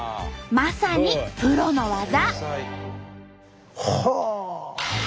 まさにプロの技！